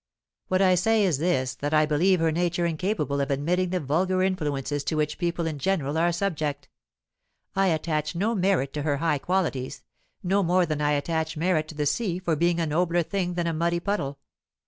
"What I say is this that I believe her nature incapable of admitting the vulgar influences to which people in general are subject. I attach no merit to her high qualities no more than I attach merit to the sea for being a nobler thing than a muddy puddle.